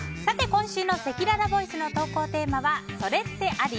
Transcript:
今週のせきららボイスの投稿テーマはそれってあり？